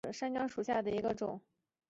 短穗山姜为姜科山姜属下的一个种。